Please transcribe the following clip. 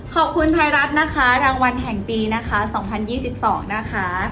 ขอบคุณไทยรัฐนะคะรางวัลแห่งปีนะคะสองพันยี่สิบสองนะคะ